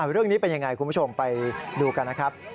เรื่องนี้เป็นยังไงคุณผู้ชมไปดูกันนะครับ